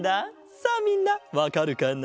さあみんなわかるかな？